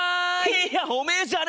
いやおめえじゃねえよ！